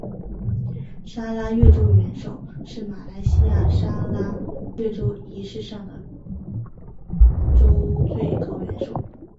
砂拉越州元首是马来西亚砂拉越州仪式上的州最高元首。